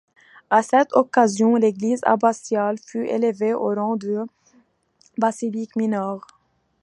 À cette occasion l’église abbatiale fut élevée au rang de basilique mineure.